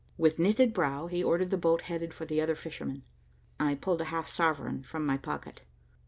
With knitted brow, he ordered the boat headed for the other fishermen. I pulled a half sovereign from my pocket.